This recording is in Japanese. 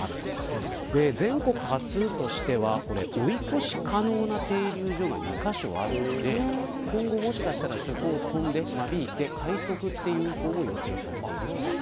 全国初としては追い越し可能な停留場が２カ所あるので今後もしかしたらそこを間引いて快速も予定されています。